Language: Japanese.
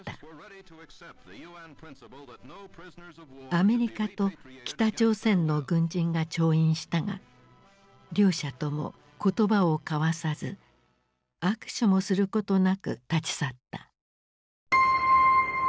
アメリカと北朝鮮の軍人が調印したが両者とも言葉を交わさず握手もすることなく立ち去った。